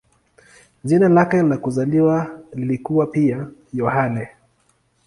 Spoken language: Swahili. Jina lake la kuzaliwa lilikuwa pia "Yohane".